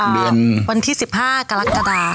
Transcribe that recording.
วันที่๑๕กรกฎา